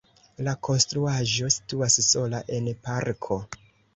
La konstruaĵo situas sola en parko.